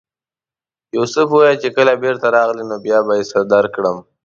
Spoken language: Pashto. یوسف وویل چې کله بېرته راغلې نو بیا به یې درکړم.